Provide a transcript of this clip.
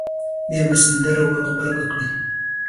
بیا به سندره ور غبرګه کړي.